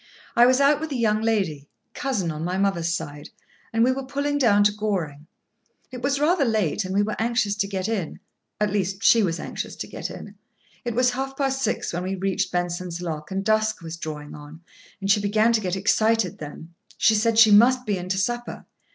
I was out with a young lady—cousin on my mother's side—and we were pulling down to Goring. It was rather late, and we were anxious to get in—at least she was anxious to get in. It was half past six when we reached Benson's lock, and dusk was drawing on, and she began to get excited then. She said she must be in to supper.